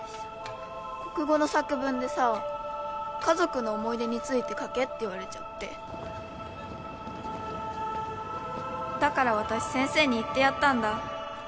国語の作文でさ家族の想い出について書けって言われちゃってだから私先生に言ってやったんだ。